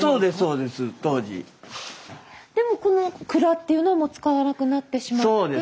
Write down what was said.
でもこの蔵っていうのは使わなくなってしまって。